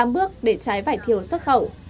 tám bước để trái vải thiều xuất khẩu